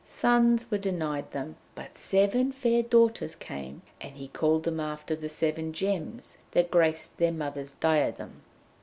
Sons were denied them, but seven fair daughters came, and he called them after the seven gems that graced their mother's diadem.